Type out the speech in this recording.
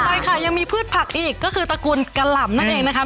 ไปค่ะยังมีพืชผักอีกก็คือตระกูลกะหล่ำนั่นเองนะคะ